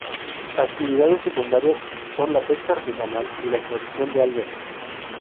Actividades secundarias son la pesca artesanal y la extracción de algas.